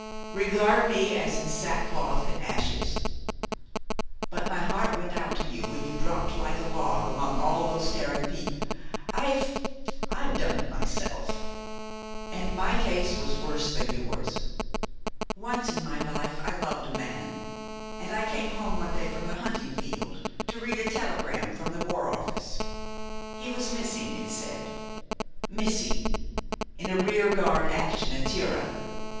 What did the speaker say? Regard me as in sackcloth and ashes. But my heart went out to you when you dropped like a log among all those staring people. I've I've done it myself, and my case was worse than yours. Once in my life I loved a man, and I came home one day from the hunting field to read a telegram from the War Office. He was 'missing,' it said missing in a rear guard action in Tirah.